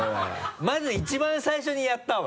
まず一番最初にやったわ。